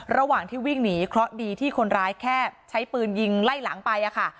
ระหว่างที่วิ่งหนีเคราะห์ดีที่คนร้ายแค่ใช้ปืนยิงไล่หลังไปอะค่ะ